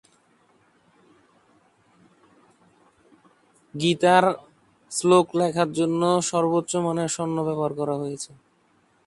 কুরআন শরীফের আয়াত লেখার জন্য সর্বোচ্চ মানের স্বর্ণ ব্যবহার করা হয়েছে।